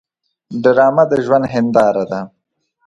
ډرامه د ژوند هنداره ده